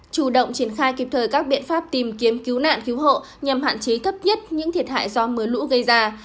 chủ động triển khai kịp thời các biện pháp tìm kiếm cứu nạn cứu hộ nhằm hạn chế thấp nhất những thiệt hại do mưa lũ gây ra